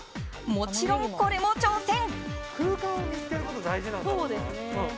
もちろん、これも挑戦。